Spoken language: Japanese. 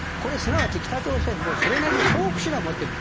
つまり、北朝鮮もそれなりの報復手段を持っている。